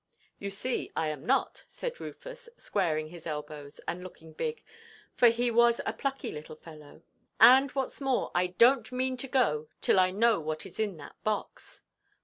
"You see I am not," said Rufus, squaring his elbows, and looking big, for he was a plucky little fellow, "and, whatʼs more, I donʼt mean to go till I know what is in that box."